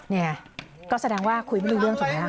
นี่ก็แสดงว่าคุยไม่มีเรื่องถูกไหมครับ